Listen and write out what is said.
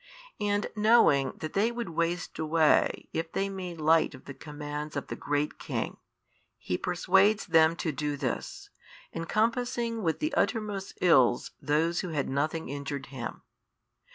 And knowing that they would waste away if |654 they made light of the commands of the Great King, he persuades them to do this, encompassing with the uttermost ills those who had nothing injured him.